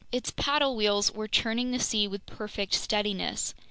Its paddle wheels were churning the sea with perfect steadiness.